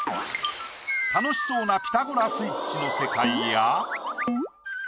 楽しそうな『ピタゴラスイッチ』の世界や。